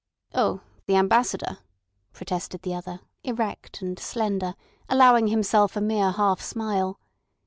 "Oh! The Ambassador!" protested the other, erect and slender, allowing himself a mere half smile.